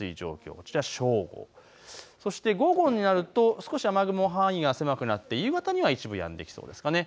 こちら正午、そして午後になると少し雨雲、範囲が狭くなって夕方には一部やんできそうですかね。